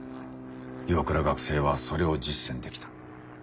岩倉学生はそれを実践できた。